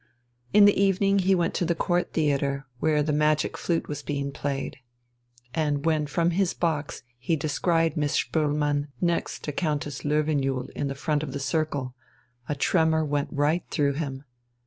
In the evening he went to the Court Theatre, where The Magic Flute was being played. And when from his box he descried Miss Spoelmann next to Countess Löwenjoul in the front of the circle, a tremor went right through him.